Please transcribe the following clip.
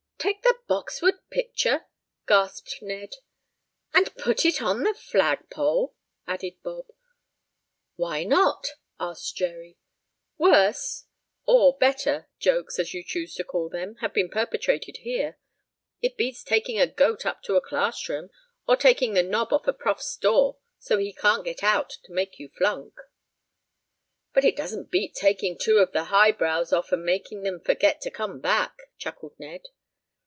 "Take the Boxwood picture?" gasped Ned. "And put it on the flagpole?" added Bob. "Why not?" asked Jerry. "Worse, or better, jokes, as you choose to call them, have been perpetrated here. It beats taking a goat up to a class room, or taking the knob off a prof's door so he can't get out to make you flunk." "But it doesn't beat taking two of the highbrows off and making them forget to come back," chuckled Ned.